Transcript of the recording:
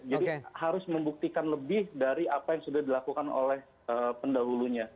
jadi harus membuktikan lebih dari apa yang sudah dilakukan oleh pendahulunya